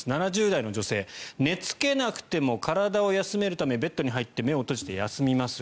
７０代の女性寝付けなくても体を休めるためベッドに入って目を閉じて休みます